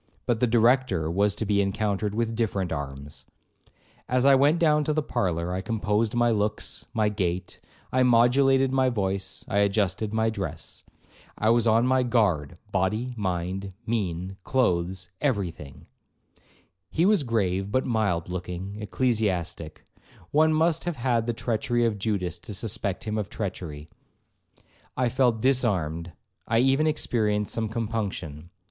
But the Director was to be encountered with different arms. As I went down to the parlour, I composed my looks, my gait, I modulated my voice, I adjusted my dress. I was on my guard, body, mind, mien, clothes, every thing. He was a grave, but mild looking ecclesiastic; one must have had the treachery of Judas to suspect him of treachery. I felt disarmed, I even experienced some compunction.